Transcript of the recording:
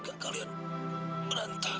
aku mau pergi ke vyandang